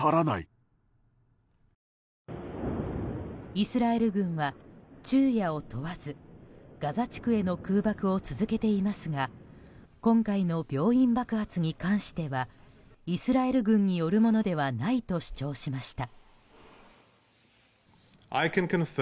イスラエル軍は昼夜を問わずガザ地区への空爆を続けていますが今回の病院爆発に関してはイスラエル軍によるものではないと主張しました。